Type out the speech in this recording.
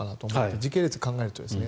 時系列を考えるとですね。